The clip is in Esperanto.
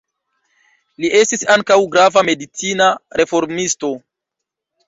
Li estis ankaŭ grava medicina reformisto.